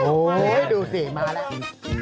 โอ้โหดูสิมาแล้ว